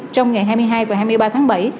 trong ngày hai mươi hai và hai mươi ba tháng bảy